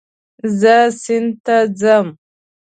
زه سیند ته ځم